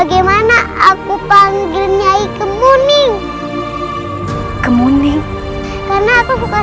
kapan dipanggil oleh allah